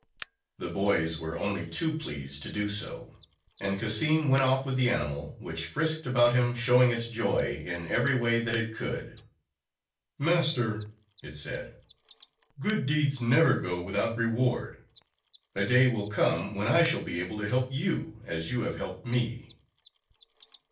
The boys were only too pleased to do so, and Cassim went off with the animal, which frisked about him, showing its joy in every way that it could. "Master," it said, "good deeds never go without reward. A day will come when I shall be able to help you, as you have helped me."